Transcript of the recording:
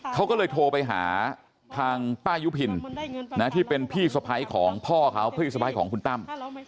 เขาก็เลยโทรไปหาทางป้ายุพินที่เป็นพี่สะพ้ายของพ่อเขาพี่สะพ้ายของคุณตั้ม